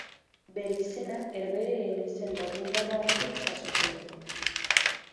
Bere izena Herbehereen izen latindarragatik jasotzen du.